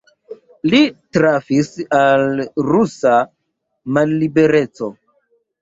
Li trafis al rusa mallibereco.